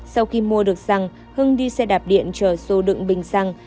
sau khi mua được xăng hưng đi xe đạp điện chờ xô đựng bình xăng